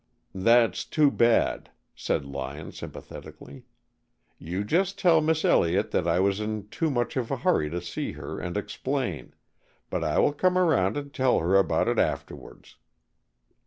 "That's too bad," said Lyon, sympathetically. "You just tell Miss Elliott that I was in too much of a hurry to see her and explain, but I will come around and tell her about it afterwards."